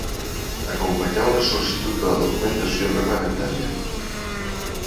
Acompanyar una sol·licitud de la documentació reglamentària.